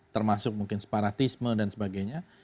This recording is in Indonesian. termasuk mungkin separatisme dan sebagainya